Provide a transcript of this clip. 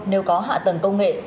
nếu có hạ tầng công nghệ